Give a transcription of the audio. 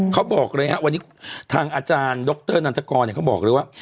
เขาบอกเลยครับวันนี้ทางอาจารย์ดรนันทกรเขาบอกเลยว่า